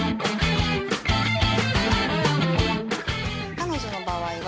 彼女の場合は。